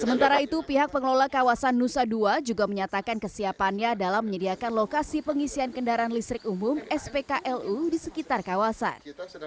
sementara itu pihak pengelola kawasan nusa dua juga menyatakan kesiapannya dalam menyediakan lokasi pengisian kendaraan listrik umum spklu di sekitar kawasan